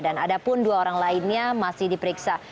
dan adapun dua orang lainnya masih diperiksa